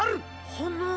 はな？